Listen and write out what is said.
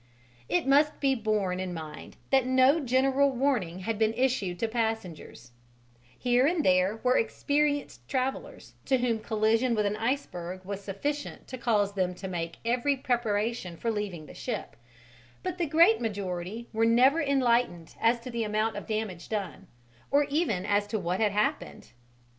It must be borne in mind that no general warning had been issued to passengers: here and there were experienced travellers to whom collision with an iceberg was sufficient to cause them to make every preparation for leaving the ship, but the great majority were never enlightened as to the amount of damage done, or even as to what had happened.